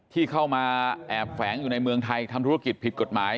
ที่เข้ามาแอบแฝงอยู่ในเมืองไทยทำธุรกิจผิดกฎหมาย